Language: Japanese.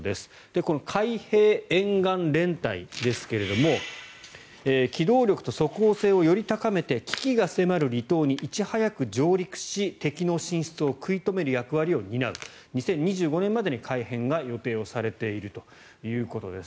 この海兵沿岸連隊ですが機動力と即応性をより高めて危機が迫る離島にいち早く上陸し敵の進出を食い止める役割を担う２０２５年までに改編が予定されているということです。